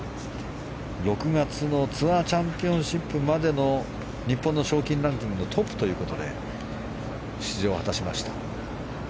６月のツアーチャンピオンシップまでの日本の賞金ランキングトップということで出場を果たしました。